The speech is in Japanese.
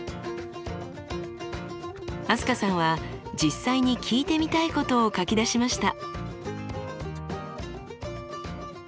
飛鳥さんは実際に聞いてみたいことを書き出しました。